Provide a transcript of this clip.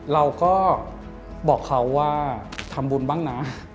เราก็บอกเขาว่าทำบุญบ้างนะ